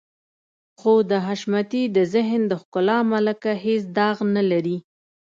خو د حشمتي د ذهن د ښکلا ملکه هېڅ داغ نه لري.